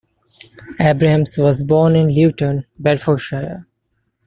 Abrahams was born in Luton, Bedfordshire.